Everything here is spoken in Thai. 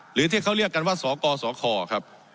หรือที่เขาเรียกกันว่าสกสคครับ